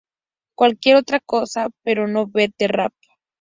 Cualquier otra cosa, pero no beat de rap.